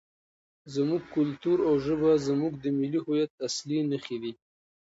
زموږ کلتور او ژبه زموږ د ملي هویت اصلي نښې دي.